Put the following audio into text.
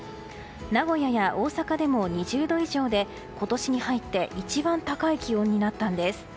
名古屋や大阪でも２０度以上で今年に入って一番高い気温になったんです。